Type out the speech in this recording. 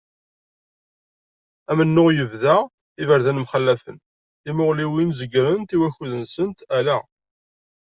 Amennuɣ yebḍa, iberdan mxalafen, timuɣliwin zegrent i wakkud-nsent, ala.